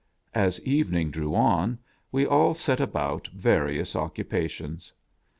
As evening drew on, we all set about various occupations.